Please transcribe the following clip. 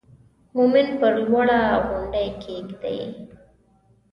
مومن پر لوړه غونډۍ کېږدئ.